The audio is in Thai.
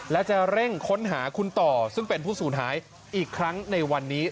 และจะเร่งค้นหาคุณต่อซึ่งเป็นผู้สูญหายอีกครั้งในวันนี้